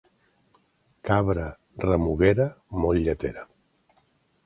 Cabra remuguera, molt lletera.